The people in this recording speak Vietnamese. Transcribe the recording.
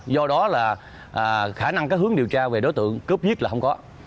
do đó là khả năng cái hướng điều tra về đối tượng cướp viết là không có